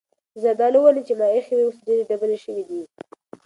د زردالو ونې چې ما ایښې وې اوس ډېرې ډبلې شوې دي.